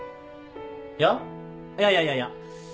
いやいやいやいやいや。